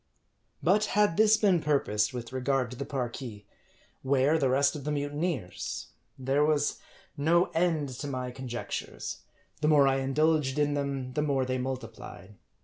But had this been purposed with regard to the Parki, where the rest of the mutineers ? There was no end to my conjectures ; the more I indulged in them, the more they multiplied.